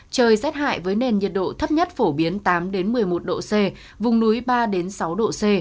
trời rét hại với nền nhiệt độ thấp nhất phổ biến tám một mươi một độ c vùng núi ba sáu độ c